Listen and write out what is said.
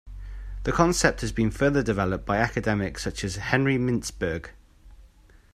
The concept has been further developed by academics such as Henry Mintzberg.